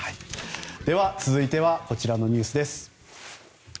では、続いてはこちらのニュースです。